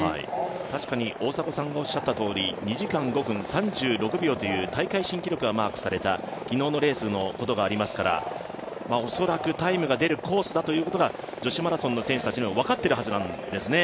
確かに大迫さんがおっしゃったとおり、２時間５分３６秒という大会新記録がマークされた昨日のレースのことがありますから恐らく、タイムが出るコースだということが女子マラソンの選手たちも分かっているはずなんですね。